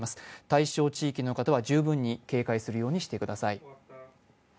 対象地域の方は十分に警戒するようにしてください。